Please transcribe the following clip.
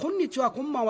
「こんばんは」